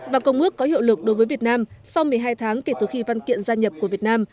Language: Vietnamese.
và công ước có hiệu lực đối với việt nam sau một mươi hai tháng kể từ khi văn kiện gia nhập của việt nam